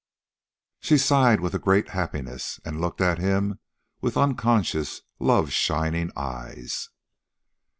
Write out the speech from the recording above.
She sighed with a great happiness, and looked at him with unconscious, love shining eyes.